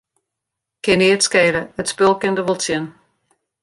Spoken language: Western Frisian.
Kin neat skele, it spul kin der wol tsjin.